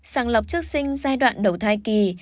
sàng lọc chức sinh giai đoạn đầu thai kỳ